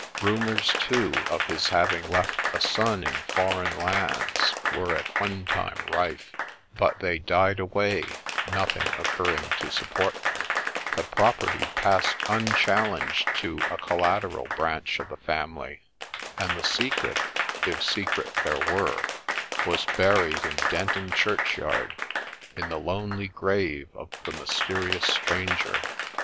Rumours, too, of his having left a son in foreign lands were at one time rife ; but they died away, nothing occurring to support them : the property passed unchallenged to a collateral branch of the family, and the secret, if secret there were, was buried in Denton churchyard, in the lonely grave of the mysterious stranger.